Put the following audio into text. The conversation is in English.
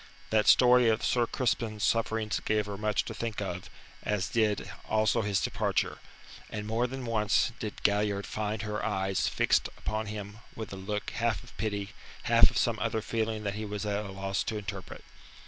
That story of Sir Crispin's sufferings gave her much to think of, as did also his departure, and more than once did Galliard find her eyes fixed upon him with a look half of pity, half of some other feeling that he was at a loss to interpret.